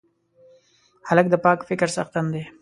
هلک د پاک فکر څښتن دی.